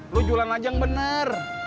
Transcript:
lu julan ajang bener